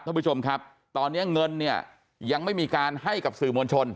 ท่านผู้ชมครับตอนนี้เงินเนี่ยยังไม่มีการให้กับสื่อมวลชน